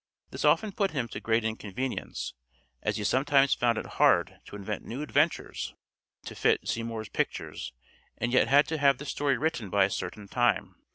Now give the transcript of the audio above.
This often put him to great inconvenience, as he sometimes found it hard to invent new adventures to fit Seymour's pictures and yet had to have the story written by a certain time.